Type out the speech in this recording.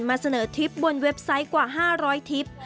มาเสนอทิพย์บนเว็บไซต์กว่า๕๐๐ทิพย์